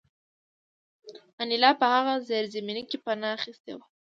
انیلا په هغه زیرزمینۍ کې پناه اخیستې وه